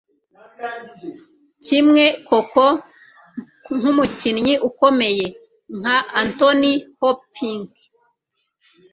Kimwe coco, nkumukinyi ukomeye nka Anthony Hopkins,